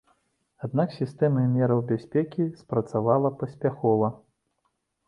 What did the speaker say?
Аднак сістэма мераў бяспекі спрацавала паспяхова.